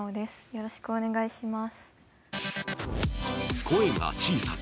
よろしくお願いします